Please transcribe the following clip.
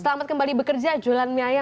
selamat kembali bekerja jualan mie ayam ya